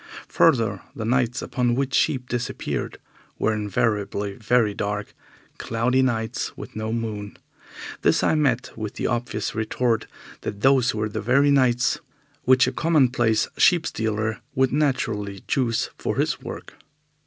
Further, the nights upon which sheep disappeared were invariably very dark, cloudy nights with no moon. This I met with the obvious retort that those were the nights which a commonplace sheep stealer would naturally choose for his work.